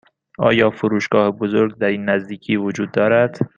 آیا فروشگاه بزرگ در این نزدیکی وجود دارد؟